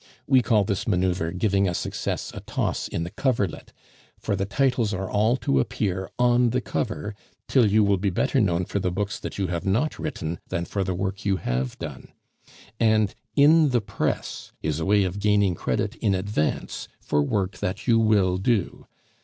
We call this manoeuvre 'giving a success a toss in the coverlet,' for the titles are all to appear on the cover, till you will be better known for the books that you have not written than for the work you have done. And 'In the Press' is a way of gaining credit in advance for work that you will do.